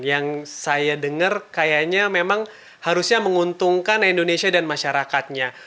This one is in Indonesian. yang saya dengar kayaknya memang harusnya menguntungkan indonesia dan masyarakatnya